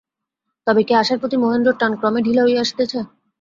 তবে কি আশার প্রতি মহেন্দ্রর টান ক্রমে ঢিলা হইয়া আসিতেছে।